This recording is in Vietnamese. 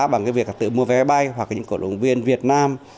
bằng việc tự mua vé bay hoặc những cổ động viên việt nam